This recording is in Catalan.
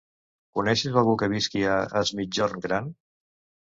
Coneixes algú que visqui a Es Migjorn Gran?